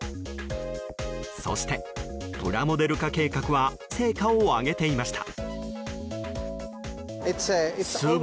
そして、プラモデル化計画は成果を上げていました。